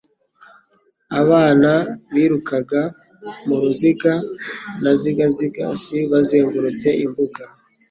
Abana birukaga mu ruziga na zigzags bazengurutse imbuga